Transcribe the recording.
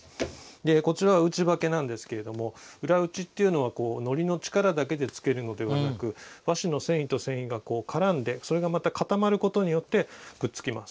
でこちらは打ち刷毛なんですけれども裏打ちっていうのは糊の力だけで付けるのではなく和紙の繊維と繊維がこう絡んでそれがまた固まることによってくっつきます。